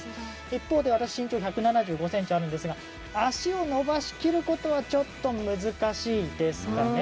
一方、私、１７５ｃｍありますが足を伸ばしきることはちょっと難しいですね。